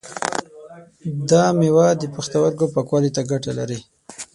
دا مېوه د پښتورګو پاکوالی ته ګټه لري.